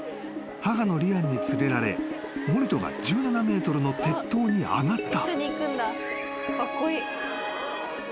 ［母のリアンに連れられモリトが１７ｍの鉄塔に上がった］